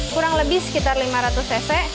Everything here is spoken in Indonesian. kurang lebih sekitar lima ratus cc